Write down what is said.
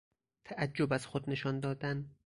تعجب از خود نشان دادن